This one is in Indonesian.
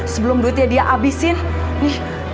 sebelum duitnya dia habisin nih